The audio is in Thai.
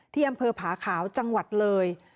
ที่อำเภอผาขาวจังหวัดเลย